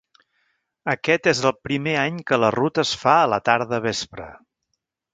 Aquest és el primer any que la ruta es fa a la tarda vespre.